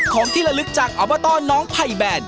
ของที่ละลึกจากอบตน้องไผ่แบน